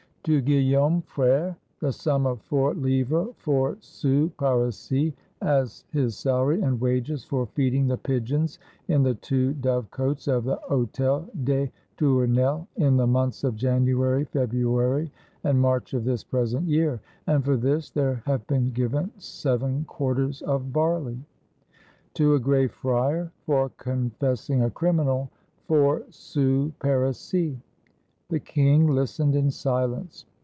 "To Guillaume Frere, the sum of four livres four sous parisis, as his salary and wages for feeding the pigeons in the two dove cotes of the Hotel des Tournelles, in the months of January, February, and March of this present year; and for this there have been given seven quarters of barley. "To a Gray Friar, for confessing a criminal, four sous parisis." The king listened in silence.